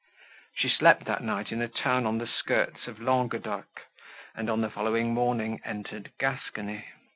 She slept that night in a town on the skirts of Languedoc, and, on the following morning, entered Gascony.